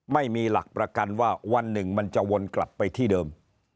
ไม่มีหลักประกันว่าวันหนึ่งมันจะวนกลับไปที่เดิม